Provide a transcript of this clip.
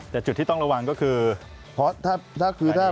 แต่จุดที่ต้องระวังก็คือ